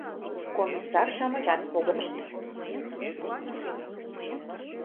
Комиссар-шамычат погынышт.